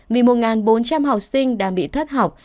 vì một bốn trăm linh học sinh đang bị thất học